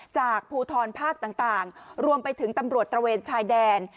ภูทรภาคต่างรวมไปถึงตำรวจตระเวนชายแดน